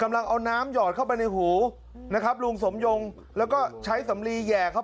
กำลังเอาน้ำหยอดเข้าไปในหูนะครับลุงสมยงแล้วก็ใช้สำลีแห่เข้าไป